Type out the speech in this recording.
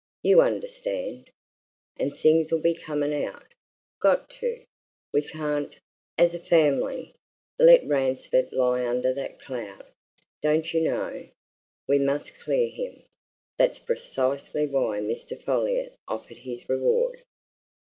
You understand! And things'll be coming out. Got to! We can't as a family let Ransford lie under that cloud, don't you know. We must clear him. That's precisely why Mr. Folliot offered his reward.